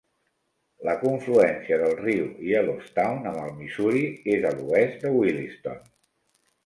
La confluència del riu Yellowstone amb el Missouri és a l'oest de Williston.